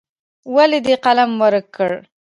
ولې دې قلم ورک کړ.